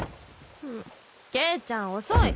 ん？圭ちゃん遅い！